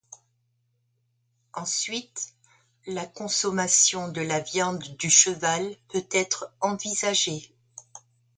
Ensuite, la consommation de la viande du cheval peut être envisagée.